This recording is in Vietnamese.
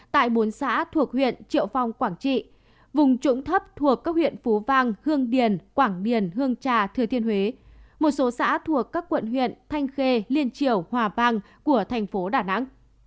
tại bốn xã thuộc huyện triệu phong quảng trị vùng trũng thấp thuộc các huyện phú vang hương điền quảng điền hương trà thừa thiên huế một số xã thuộc các quận huyện thanh khê liên triều hòa vang của thành phố đà nẵng